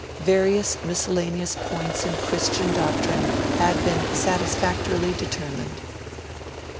Various miscellaneous points in Christian doctrine had been satisfactorily determined.